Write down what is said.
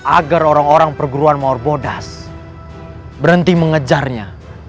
agar orang orang perguruan mahur bodas berhenti mengejarnya